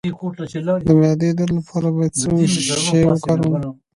د معدې درد لپاره باید څه شی وکاروم؟